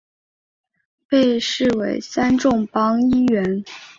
被视为三重帮一员。